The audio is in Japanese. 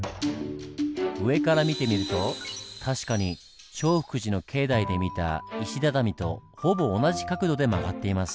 上から見てみると確かに聖福寺の境内で見た石畳とほぼ同じ角度で曲がっています。